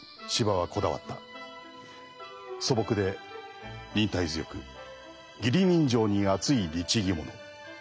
素朴で忍耐強く義理人情にあつい律義者。